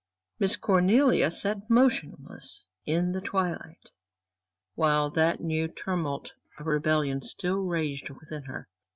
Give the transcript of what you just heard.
Miss Cornelia sat motionless in the twilight, while that new tumult of rebellion still raged within her.